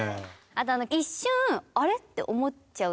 あと一瞬あれ？って思っちゃう